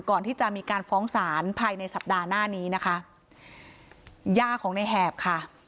ก่อนที่จะมีการฟ้องศาลภายในสัปดาห์หน้านี้นะคะย่าของในแหบค่ะ